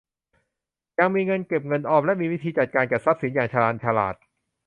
ยังมีเงินเก็บเงินออมและมีวิธีจัดการกับทรัพย์สินอย่างชาญฉลาด